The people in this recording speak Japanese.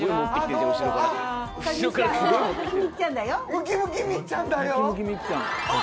「ムキムキみっちゃんだよ」！